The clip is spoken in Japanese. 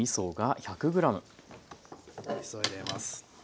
おみそ入れます。